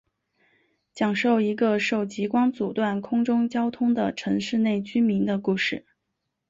讲述一个受极光阻断空中交通的城市内居民的故事。